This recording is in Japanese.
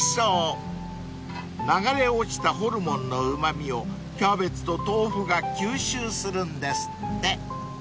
［流れ落ちたホルモンのうま味をキャベツと豆腐が吸収するんですって］